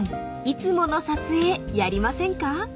いつもの撮影やりませんか？］